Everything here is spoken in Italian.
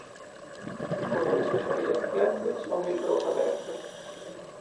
I colori sociali del club sono il rosa-verde.